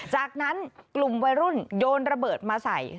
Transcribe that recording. จากนั้นกลุ่มวัยรุ่นโยนระเบิดมาใส่